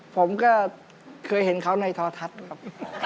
ผมก็เคยเห็นเขาในทอทัศน์ครับ